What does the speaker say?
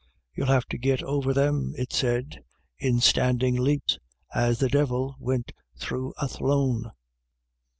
" You'll have to git over them," it said, "in standin' leps, as the Divil wint thro* Athlone."